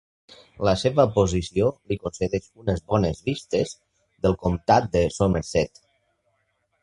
La seva posició li concedeix unes bones vistes del comtat de Somerset.